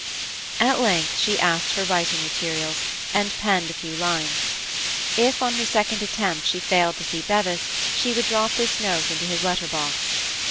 At length she asked for writing materials, and penned a few lines. If on her second attempt she failed to see Bevis, she would drop this note into his letter box.